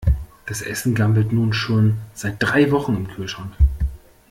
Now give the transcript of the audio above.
Das Essen gammelt nun schon seit drei Wochen im Kühlschrank.